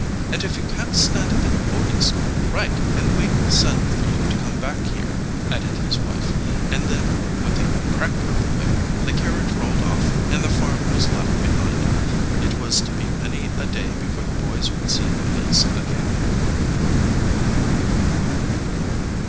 "And if you can't stand it at boarding school, write, and we will send for you to come back here," added his wife; and then, with a crack of the whip, the carriage rolled off, and the farm was left behind. It was to be many a day before the boys would see the place again.